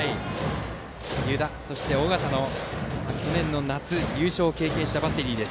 湯田、尾形と去年の夏の優勝を経験したバッテリーです。